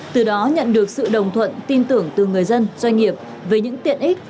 từ đó nhận được sự đồng thuận tin tưởng từ người dân doanh nghiệp về những tiện ích